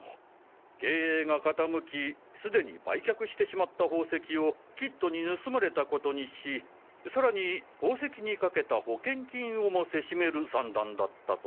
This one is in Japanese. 経営が傾きすでに売却してしまった宝石をキッドに盗まれたことにしさらに宝石にかけた保険金をもせしめる算段だったと。